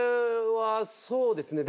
そうですね。